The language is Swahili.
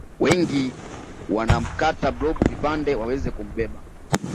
Wengi wanamkata blob vipande waweze kumbeba